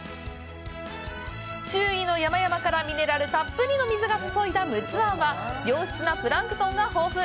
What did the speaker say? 周囲の山々からミネラルたっぷりの水が注いだ陸奥湾は良質なプランクトンが豊富。